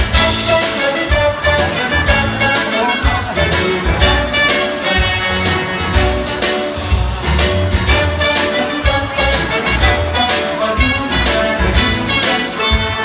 หากมีหัวใจของเธอประสุทธิ์เกินพอ